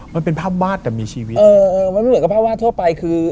มันเป็นภาพวาดแต่มีชีวิตเออเออมันไม่เหมือนกับภาพวาดทั่วไปคือ